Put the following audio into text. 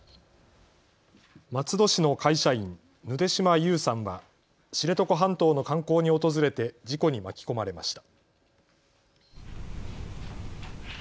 松戸市の会社員、ぬで島優さんは知床半島の観光に訪れて事故に巻き込まれました。